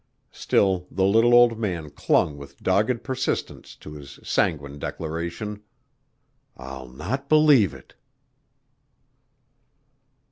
Still the little old man clung with dogged persistence to his sanguine declaration: "I'll not believe it!"